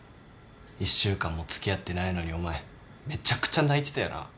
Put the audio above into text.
１週間も付き合ってないのにお前めちゃくちゃ泣いてたよな。